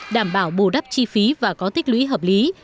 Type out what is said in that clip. đảm bảo bù đắp chi phí và có tích lũy hợp lý